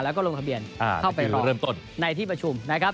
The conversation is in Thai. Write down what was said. แล้วก็ลงทะเบียนเข้าไปรอเริ่มต้นในที่ประชุมนะครับ